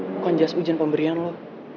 bukan jas hujan pemberian loh